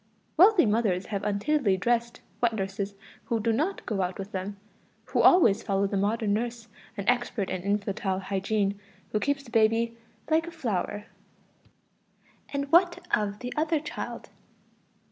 Wealthy mothers have untidily dressed wet nurses who do not go out with them, who always follow the modern nurse, an expert in infantile hygiene, who keeps the baby "like a flower." And what of the other child?...